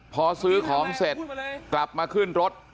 พอซื้อของเสร็จกลับมาขึ้นรถ